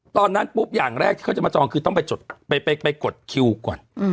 ตอนนั้นปุ๊บอย่างแรกที่เขาจะมาจองคือต้องไปจดไปกดคิวก่อน